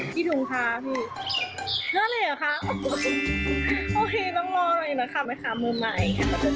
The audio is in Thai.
พี่ถุงค่ะพี่นั่นเลยหรอค่ะโอเคต้องมองหน่อยนะค่ะไหมค่ะมือใหม่